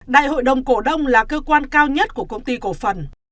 đại hội đồng cổ đông là cơ quan cao nhất của công ty cổ phần